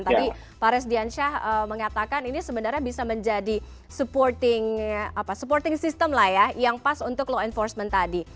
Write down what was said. tadi pak resdian shah mengatakan ini sebenarnya bisa menjadi supporting system yang pas untuk law enforcement tadi